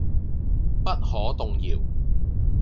不可動搖